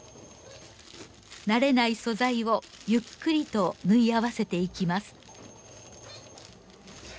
慣れない素材をゆっくりと縫い合わせていきます。